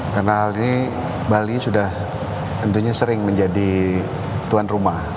karena ini bali sudah tentunya sering menjadi tuan rumah